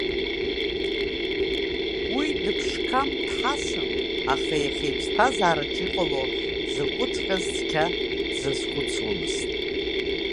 Уи дыԥшқам-дҳасым, аха иахьа иԥсҭазаараҿ иҟало закәыҵәҟьаз цқьа дзазхәыцуамызт.